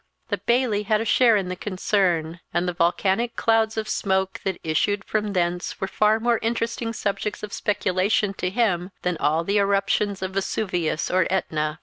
The Bailie had a share in the concern; and the volcanic clouds of smoke that issued from thence were far more interesting subjects of speculation to him than all the eruptions of Vesuvius or Etna.